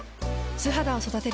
素肌を育てる。